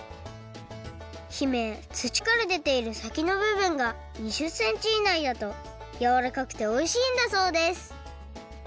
姫土から出ている先の部分が２０ｃｍ以内だとやわらかくておいしいんだそうです。